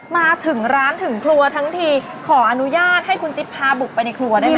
มาถึงร้านถึงครัวทั้งทีขออนุญาตให้คุณจิ๊บพาบุกไปในครัวได้ไหม